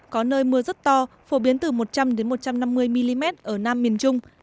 có nơi mưa rất to phổ biến từ một trăm linh một trăm năm mươi mm ở nam miền trung